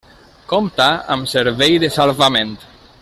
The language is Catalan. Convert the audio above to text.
Compta amb servei de salvament.